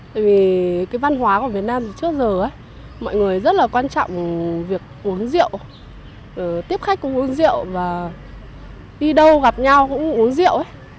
tại vì cái văn hóa của việt nam từ trước giờ mọi người rất là quan trọng việc uống rượu tiếp khách cũng uống rượu và đi đâu gặp nhau cũng uống rượu